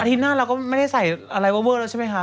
อาทิตย์หน้าเราก็ไม่ได้ใส่อะไรว่าเวอร์แล้วใช่มั้ยคะ